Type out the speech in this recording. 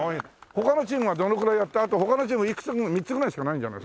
他のチームはどのぐらいあって他のチームはいくつ３つぐらいしかないんじゃない？